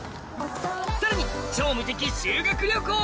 さらに超無敵修学旅行